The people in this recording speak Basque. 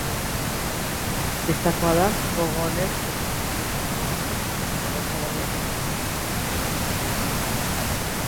Bistakoa da, gogo onez etortzen direla lanera eta gauza berriak ikastera.